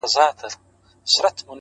ځوان لگيا دی ـ